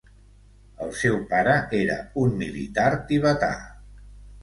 El seu pare era un militar tibetà.